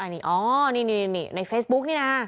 นี่อ๋อนี่ในเฟซบุ๊กนี่นะ